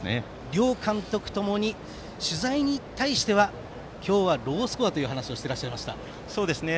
両監督ともに取材に対しては今日はロースコアという話をしていらっしゃいました。